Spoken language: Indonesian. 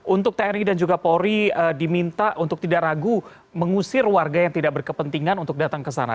untuk tni dan juga polri diminta untuk tidak ragu mengusir warga yang tidak berkepentingan untuk datang ke sana